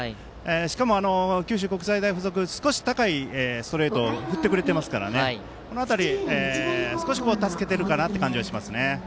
しかも九州国際大付属は少し高いストレートを振ってくれていますからこの辺りが少し助けているかなと思います。